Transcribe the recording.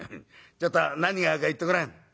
ちょっと何があるか言ってごらん」。